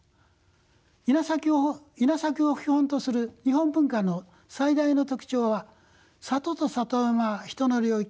稲作を基本とする日本文化の最大の特徴は里と里山は人の領域